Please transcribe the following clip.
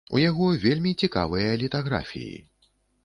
У яго вельмі цікавыя літаграфіі.